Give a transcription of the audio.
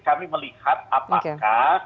kami melihat apakah